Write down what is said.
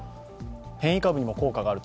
変異株にも効果があると。